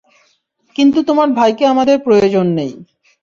কিন্তু তোমার ভাইকে আমাদের প্রয়োজন নেই।